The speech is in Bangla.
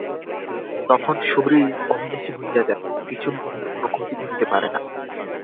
তখন শরীর অবিনাশী হইয়া যায়, কিছুই উহার কোন ক্ষতি করিতে পারে না।